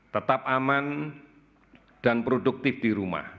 tetap aman dan produktif di rumah